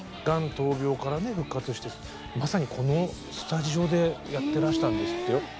がん闘病からね復活してまさにこのスタジオでやってらしたんですってよ。